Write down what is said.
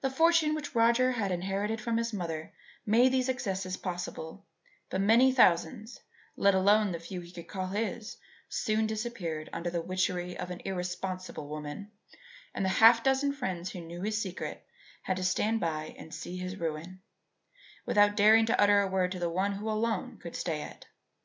The fortune which Roger had inherited from his mother made these excesses possible, but many thousands, let alone the few he could call his, soon disappeared under the witchery of an irresponsible woman, and the half dozen friends who knew his secret had to stand by and see his ruin, without daring to utter a word to the one who alone could stay it.